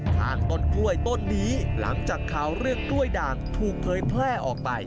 ข้างต้นกล้วยต้นนี้หลังจากข่าวเรื่องกล้วยด่างถูกเผยแพร่ออกไป